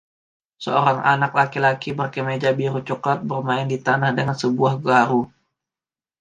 Seorang anak laki-laki berkemeja biru coklat bermain di tanah dengan sebuah garu.